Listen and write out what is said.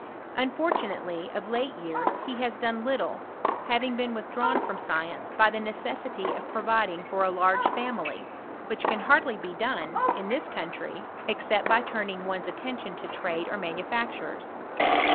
Unfortunately, of late years he has done little, having been withdrawn from science by the necessity of providing for a large fa mily, which can hardly be done, in this country. ■ studeni *an«tOBY OF CHEMISTRY. —^^^ except by turning' one's attention to trade or manu factures.